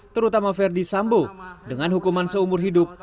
terutama verdi sambo dengan hukuman seumur hidup